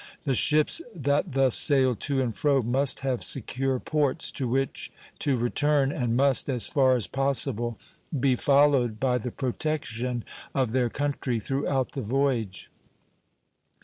The ships that thus sail to and fro must have secure ports to which to return, and must, as far as possible, be followed by the protection of their country throughout the voyage.